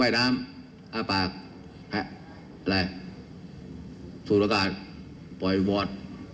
ไหว้น้ำอ้าปากแผะแรกถูกประกาศปล่อยบอส